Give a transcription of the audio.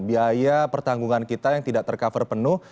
biaya pertanggungan kita yang tidak tercover penuh